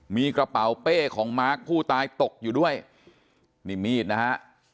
มีกระเป๋าเป้ของมาร์คผู้ตายตกอยู่ด้วยนี่มีดนะฮะ